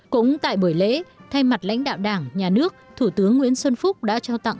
cũng tại buổi lễ thay mặt lãnh đạo đảng nhà nước thủ tướng nguyễn xuân phúc đã trao tặng